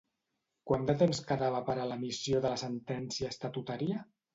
Quant de temps quedava per a l'emissió de la sentència estatutària?